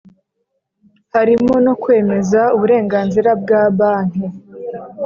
harimo no kwemeza uburenganzira bwa Banki